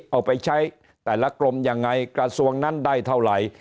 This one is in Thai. เอาไปใช้แต่ละกรมยังไงกระทรวงนั้นได้เท่าไหร่